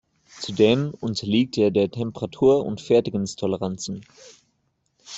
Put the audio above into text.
Zudem unterliegt er der Temperatur und Fertigungstoleranzen.